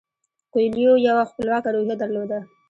کویلیو یوه خپلواکه روحیه درلوده.